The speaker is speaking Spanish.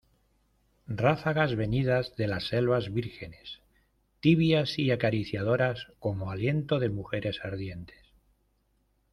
ráfagas venidas de las selvas vírgenes, tibias y acariciadoras como aliento de mujeres ardientes